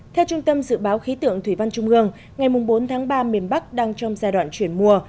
theo trung tâm dự báo khí tượng thủy văn trung ương ngày bốn tháng ba miền bắc đang trong giai đoạn chuyển mùa